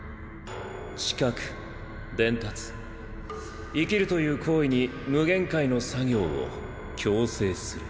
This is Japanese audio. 知覚伝達生きるという行為に無限回の作業を強制する。